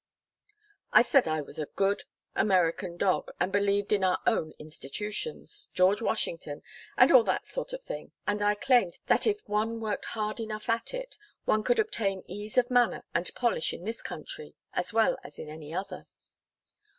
I said I was a good, American dog, and believed in our own institutions, George Washington and all that sort of thing; and I claimed that if one worked hard enough at it, one could obtain ease of manner and polish in this country as well as in any other.